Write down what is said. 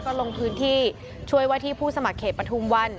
ก็ลงพื้นที่ช่วยว่าที่ผู้สมัครเขตปฐุมวัน